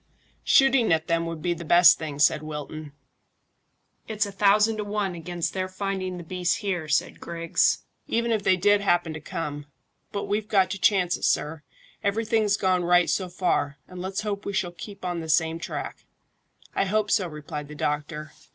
"Shooting at them would be the best thing," said Wilton. "It's a thousand to one against their finding the beasts here," said Griggs, "even if they did happen to come. But we've got to chance it, sir. Everything's gone right so far, and let's hope we shall keep on the same track." "I hope so," replied the doctor.